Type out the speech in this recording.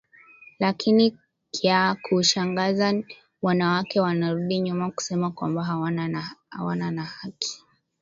Lakini kya ku shangaza wana wake wana rudi nyuma kusema kwamba hawana na haki